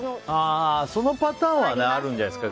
そのパターンはあるんじゃないですか。